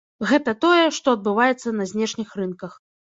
Гэта тое, што адбываецца на знешніх рынках.